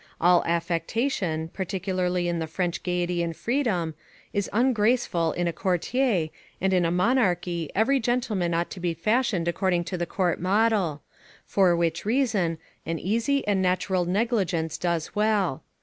All affectation, particularly in the French gaiety and freedom, is ungraceful in a courtier, and in a monarchy every gentleman ought to be fashioned according to the court model; for which reason, an easy and natural negligence does well.